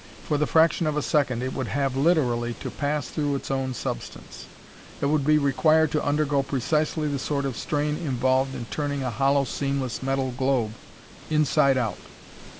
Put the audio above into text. For the fraction of a second it would have literally to pass through its own substance. It would be required to undergo precisely the sort of strain involved in turning a hollow seamless metal globe, inside out!